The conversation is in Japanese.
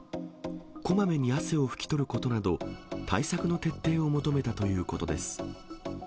こまめに汗を拭きとることなど、対策の徹底を求めたということです。